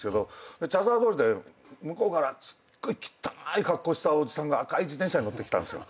茶沢通りで向こうからすっごいきったない格好したおじさんが赤い自転車に乗ってきたんですよ